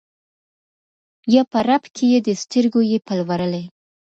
یا په رپ کي یې د سترګو یې پلورلی